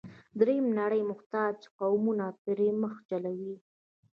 درېیمه نړۍ محتاج قومونه یې پر مخ چلوي.